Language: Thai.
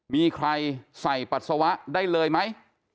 มีใครใส่ปัสสาวะได้เลยไหม